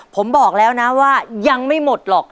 ผมบอกแล้วนะว่ายังไม่หมดหรอก